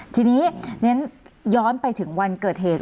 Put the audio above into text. ทีนี้ย้อนไปถึงวันเกิดเหตุ